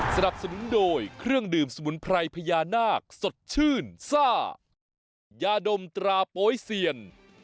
สนับสนุนโดยเครื่องดื่มสมุนไพรพญานาคสดชื่นซ่ายาดมตราโป๊ยเซียน